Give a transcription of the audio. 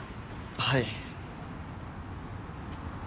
はい。